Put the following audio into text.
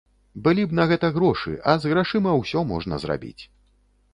Былі б на гэта грошы, а з грашыма ўсё можна зрабіць.